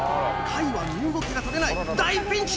カイは身動きが取れない。